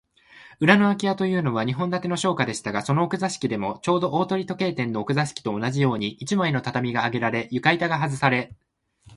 裏のあき家というのは、日本建ての商家でしたが、その奥座敷でも、ちょうど大鳥時計店の奥座敷と同じように、一枚の畳があげられ、床板がはずされ、